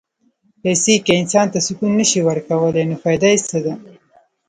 پېسې که انسان ته سکون نه شي ورکولی، نو فایده یې څه ده؟